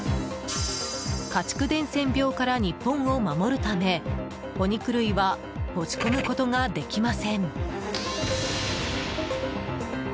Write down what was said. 家畜伝染病から日本を守るためお肉類は持ち込むことができません。